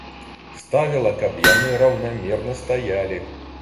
Ставіла, каб яны раўнамерна стаялі.